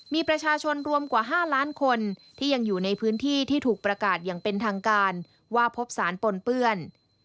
มีประชาชนรวมกว่า๕ล้านคนที่ยังอยู่ในพื้นที่ที่ถูกประกาศอย่างเป็นทางการว่าพบสารปนเปื้อน